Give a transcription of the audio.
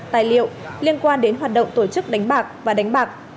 tài liệu liên quan đến hoạt động tổ chức đánh bạc và đánh bạc